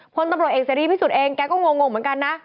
พลตำรวจเอกเสรีพิสุทธิ์เองแกก็งงเหมือนกันนะ